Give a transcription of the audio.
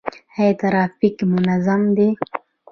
آیا ټرافیک منظم دی؟